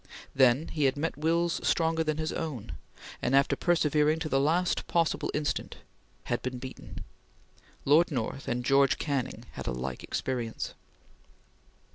Then he had met wills stronger than his own, and, after persevering to the last possible instant, had been beaten. Lord North and George Canning had a like experience.